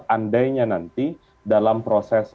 akhirnya nanti dalam proses